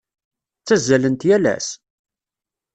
Ttazzalent yal ass?